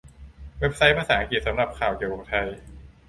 เว็บไซต์ภาษาอังกฤษ สำหรับข่าวเกี่ยวกับไทย